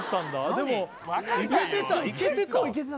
でもいけてた？